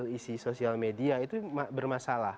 isi sosial media itu bermasalah